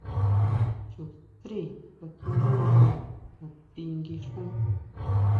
Chu strí kakjiʼndánena natí nguixún.